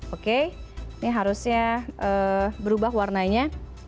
oke ini harusnya berubah warnanya